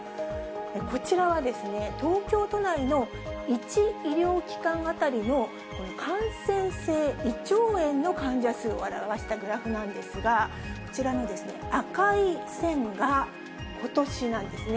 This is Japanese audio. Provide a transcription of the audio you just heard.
こちらはですね、東京都内の１医療機関当たりの感染性胃腸炎の患者数を表したグラフなんですが、こちらの赤い線がことしなんですね。